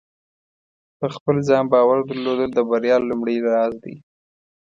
په خپل ځان باور درلودل د بریا لومړۍ راز دی.